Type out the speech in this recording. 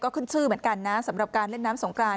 ขึ้นชื่อเหมือนกันนะสำหรับการเล่นน้ำสงกราน